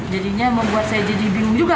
jadinya membuat saya jadi bingung juga